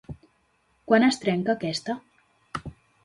Quan es trenca aquesta?